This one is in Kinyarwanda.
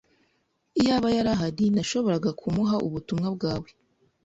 Iyaba yari ahari, nashoboraga kumuha ubutumwa bwawe.